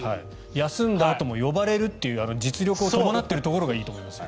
休んだあとも呼ばれるという実力が伴っているところもいいと思いますよ。